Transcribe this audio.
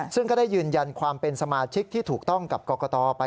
ซึ่งก็ได้ยืนยันความเป็นสมาชิกที่ถูกต้องกับกรกตไป